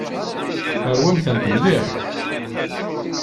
Rwimt-tent mliḥ.